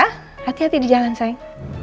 hati hati di jalan saya